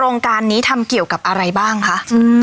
โครงการนี้ทำเกี่ยวกับอะไรบ้างคะ